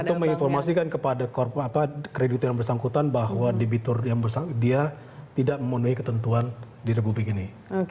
untuk menginformasikan kepada kredit yang bersangkutan bahwa debitur yang dia tidak memenuhi ketentuan di republik ini